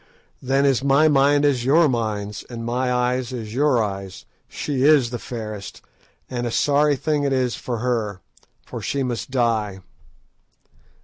"Then is my mind as your minds, and my eyes as your eyes. She is the fairest! and a sorry thing it is for her, for she must die!"